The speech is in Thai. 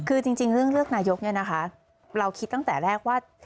คือจริงเรื่องเลือกนายกเราคิดตั้งแต่แรกว่า